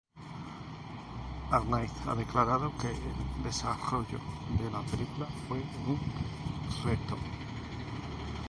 Arnaiz ha declarado que el desarrollo de la película fue un reto.